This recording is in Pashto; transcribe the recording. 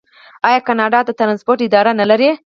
آیا کاناډا د ټرانسپورټ اداره نلري؟